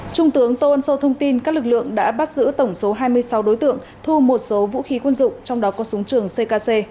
trung tướng tô ân sô thông tin các lực lượng đã bắt giữ tổng số hai mươi sáu đối tượng thu một số vũ khí quân dụng trong đó có súng trường ckc